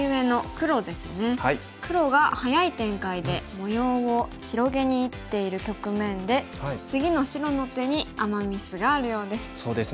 黒が早い展開で模様を広げにいっている局面で次の白の手にアマ・ミスがあるようです。